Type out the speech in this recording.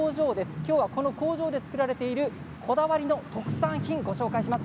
きょうはこの工場で造られているこだわりの特産品をご紹介します。